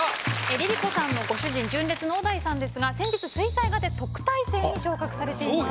ＬｉＬｉＣｏさんのご主人純烈の小田井さんですが先日水彩画で特待生に昇格されています。